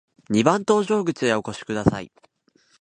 二番搭乗口へお越しください。